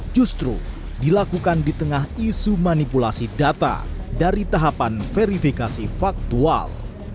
justru dilakukan di tengah isu manipulasi data dari tahapan verifikasi faktual